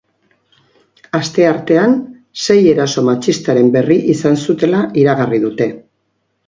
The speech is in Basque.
Asteartean sei eraso matxistaren berri izan zutela iragarri dute.